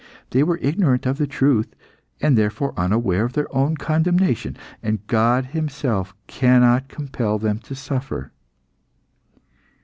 They were ignorant of the truth, and therefore unaware of their own condemnation, and God Himself cannot compel them to suffer.